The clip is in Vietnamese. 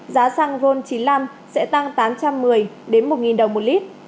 giá xăng ron chín mươi năm sẽ tăng tám trăm một mươi đến một đồng một lít